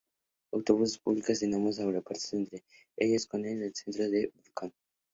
Autobuses públicos unen ambos aeropuertos entre ellos y con el centro de Windhoek.